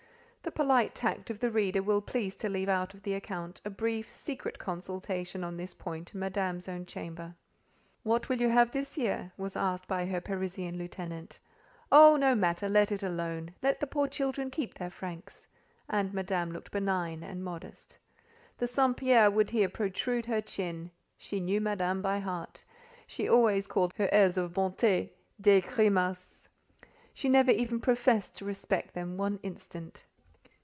The polite tact of the reader will please to leave out of the account a brief, secret consultation on this point in Madame's own chamber. "What will you have this year?" was asked by her Parisian lieutenant. "Oh, no matter! Let it alone. Let the poor children keep their francs," And Madame looked benign and modest. The St. Pierre would here protrude her chin; she knew Madame by heart; she always called her airs of "bonté"—"des grimaces." She never even professed to respect them one instant.